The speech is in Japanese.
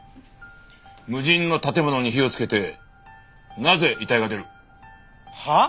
無人の建物に火をつけてなぜ遺体が出る？はあ？